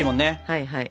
はいはい。